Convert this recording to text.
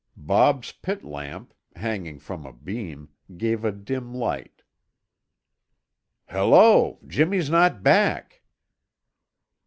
Bob's pit lamp, hanging from a beam, gave a dim light. "Hello! Jimmy's not back!"